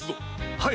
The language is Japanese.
はい！